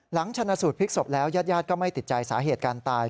ชนะสูตรพลิกศพแล้วยาดก็ไม่ติดใจสาเหตุการตาย